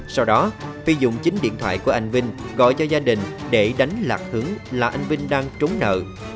sau đó phi dùng chính điện thoại của anh vinh gọi cho gia đình để đánh lạc hướng là anh vinh đang trốn nợ